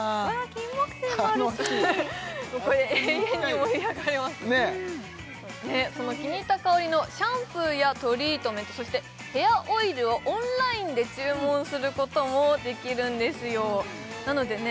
キンモクセイもあるしこれ永遠に盛り上がれますねその気に入った香りのシャンプーやトリートメントそしてヘアオイルをオンラインで注文することもできるんですよなのでね